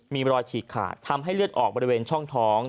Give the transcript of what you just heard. มีรอยฉีกขาดทำให้เลือดออกบริเวณช่องท้อง